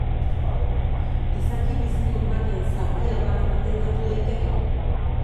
Izaki bizidun baten zatia bat patentatu daiteke?